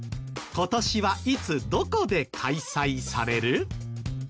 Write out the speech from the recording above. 今年はいつどこで開催される？